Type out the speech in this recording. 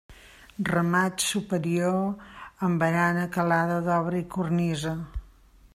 Remat superior amb barana calada d'obra i cornisa.